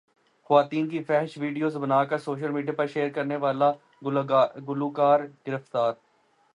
خواتین کی فحش ویڈیوز بناکر سوشل میڈیا پرشیئر کرنے والا گلوکار گرفتار